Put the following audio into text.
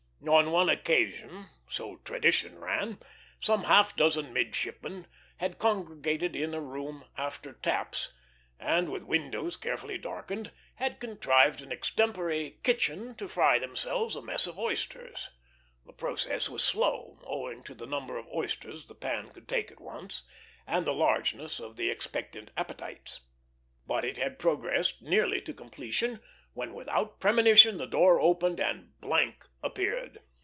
On one occasion, so tradition ran, some half dozen midshipmen had congregated in a room "after taps," and, with windows carefully darkened, had contrived an extempore kitchen to fry themselves a mess of oysters. The process was slow, owing to the number of oysters the pan could take at once and the largeness of the expectant appetites; but it had progressed nearly to completion, when without premonition the door opened and appeared.